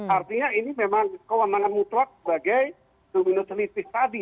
artinya ini memang kewamangan mutlak sebagai dominosimistik tadi